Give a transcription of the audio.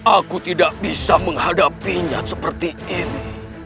aku tidak bisa menghadapinya seperti ini